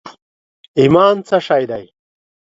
ایمان څه شي دي؟